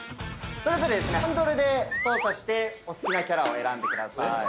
それぞれハンドルで操作してお好きなキャラを選んでください。